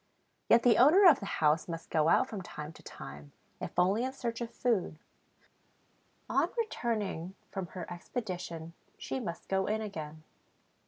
Yet the owner of the house must go out from time to time, if only in search of food; on returning from her expedition, she must go in again.